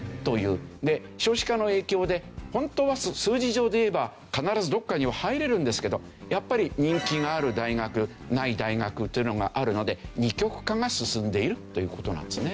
少子化の影響で本当は数字上でいえば必ずどこかには入れるんですけどやっぱり人気がある大学ない大学というのがあるので二極化が進んでいるという事なんですね。